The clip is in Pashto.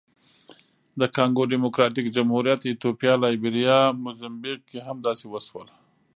د کانګو ډیموکراتیک جمهوریت، ایتوپیا، لایبیریا، موزمبیق کې هم داسې وشول.